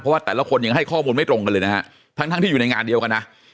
เพราะว่าแต่ละคนยังให้ข้อมูลไม่ตรงกันเลยนะฮะทั้งทั้งที่อยู่ในงานเดียวกันนะ